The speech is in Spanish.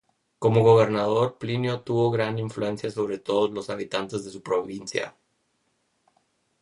Como gobernador, Plinio tuvo gran influencia sobre todos los habitantes de su provincia.